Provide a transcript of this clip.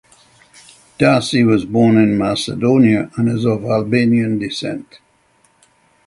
Daci was born in Macedonia and is of Albanian descent.